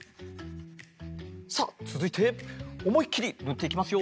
さあつづいておもいっきりぬっていきますよ。